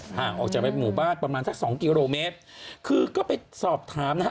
ห่างออกจากหมู่บ้านประมาณสักสองกิโลเมตรคือก็ไปสอบถามนะฮะ